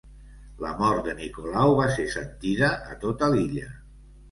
La mort de Nicolau va ser sentida a tota l’illa.